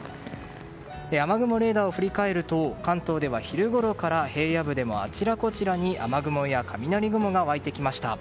雨雲レーダーを振り返ると関東では昼ごろから平野部でもあちらこちらに雨雲や雷雲が湧いてきました。